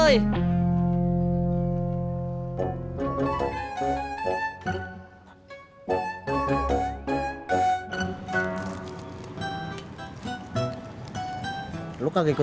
mas itu yang bagian